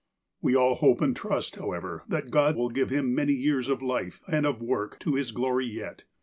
We all hope and trust, however, that God will give him many years of life and of work to His glory yet.